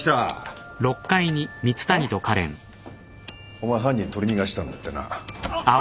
お前犯人取り逃がしたんだってな。